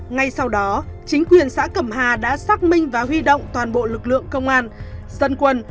ngay sau đó chính quyền xã cẩm hà đã xác minh và huy động toàn bộ lực lượng công an dân quân